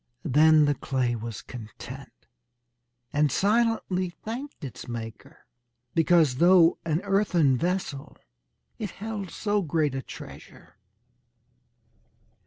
Then the clay was content, and silently thanked its maker, because, though an earthen vessel, it held so great a treasure.